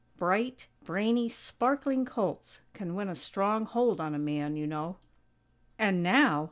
Bright, brainy, sparkling colts can win a strong hold on a man, you know. And now!!